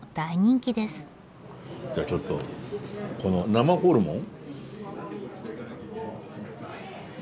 じゃあちょっとこの生ホルモン？